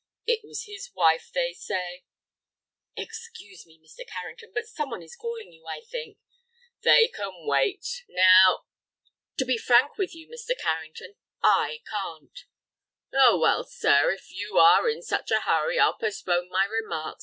It was his wife, they say—" "Excuse me, Mr. Carrington, but some one is calling you, I think." "They can wait. Now—" "To be frank with you, Mr. Carrington, I can't." "Oh, well, sir, if you are in such a hurry, I'll postpone my remarks.